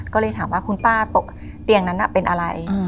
ก็เลยถามว่าคุณป้าตกเตียงนั้นเป็นอะไร